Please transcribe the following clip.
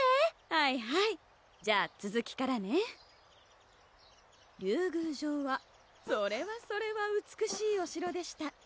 はいはいじゃあつづきからね「竜宮城はそれはそれは美しいお城でした」